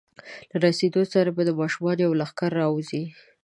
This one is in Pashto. له رسېدو سره به د ماشومانو یو لښکر راوځي.